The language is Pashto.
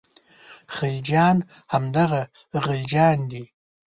خلجیان همدغه غلجیان دي.